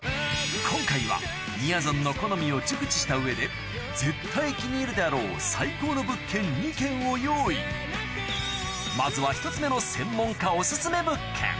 今回はみやぞんの好みを熟知した上で絶対気に入るであろう最高の物件２軒を用意まずは１つ目の専門家